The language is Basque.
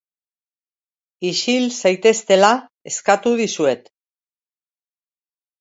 Ixil zaiteztela eskatu dizuet.